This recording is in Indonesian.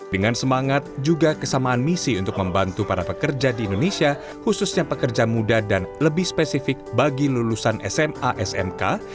dengan semangat juga kesamaan misi untuk membantu para pekerja di indonesia khususnya pekerja muda dan lebih spesifik bagi lulusan sma smk